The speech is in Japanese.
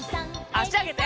あしあげて。